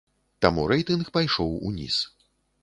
Таму рэйтынг пайшоў уніз.